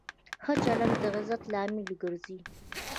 ښه چلند د عزت لامل ګرځي.